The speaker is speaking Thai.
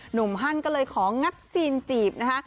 หนุ่มฮันก็เลยของับซีนจีบนะคะ